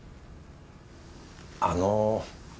あの。